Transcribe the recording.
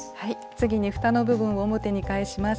次にふたの部分を表に返します。